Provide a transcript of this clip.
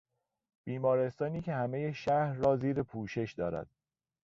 بیمارستانی که همهی شهر را زیر پوشش دارد